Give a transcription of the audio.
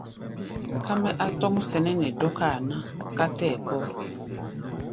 Ká mɛ́ á tɔ́ŋ sɛnɛ́ nɛ dɔ́káa ná ká tɛ́ɛ kpɔ́r.